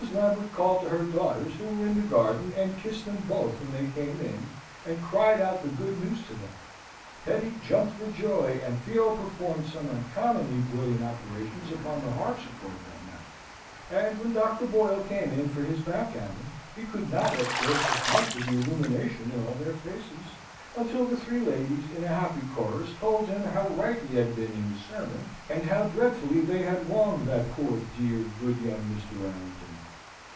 Lambert called to her daughters who were in the garden, and kissed them both when they came in, and cried out the good news to them. Hetty jumped for joy, and Theo performed some uncommonly brilliant operations upon the harpsichord that night; and when Dr. Boyle came in for his backgammon, he could not, at first, account for the illumination in all their faces, until the three ladies, in a happy chorus, told him how right he had been in his sermon, and how dreadfully they had wronged that poor dear, good young Mr. Warrington.